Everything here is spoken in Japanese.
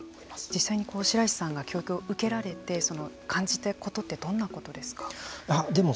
実際に白石さんが教育を受けられて感じたことはどんなことですか。